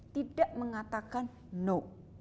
tidak mengatakan no